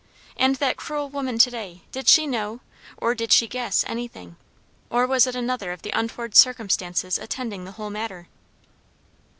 And that cruel woman to day! did she know, or did she guess, anything? or was it another of the untoward circumstances attending the whole matter?